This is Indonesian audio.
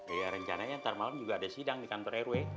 ya rencananya ntar malam juga ada sidang di kantor rw